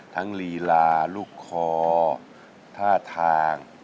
ทั้งลีลาลูกคอท่าทาง